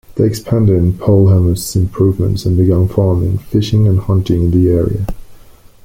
They expanded Paulhamus' improvements and began farming, fishing and hunting in the area.